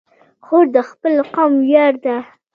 خور د خپل قوم ویاړ ده.